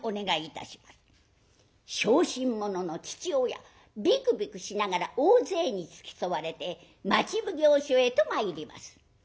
小心者の父親びくびくしながら大勢に付き添われて町奉行所へと参ります。